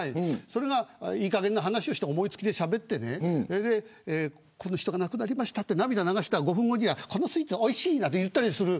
それがいいかげんな話をして思い付きでしゃべってこの人が亡くなりましたと涙を流した５分後にはこのスイーツおいしいなと言ったりする。